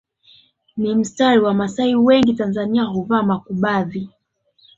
ni mistari Wamasai wengi Tanzania huvaa makubadhi